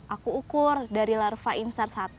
aku ukur dari larva insar satu